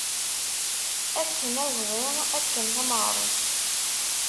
Akken agḍi, akken tameɣrust.